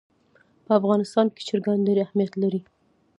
په افغانستان کې چرګان ډېر اهمیت لري.